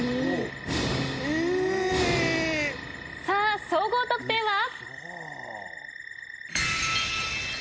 さあ総合得点は。